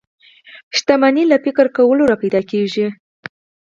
شتمني له فکر کولو را پيدا کېږي.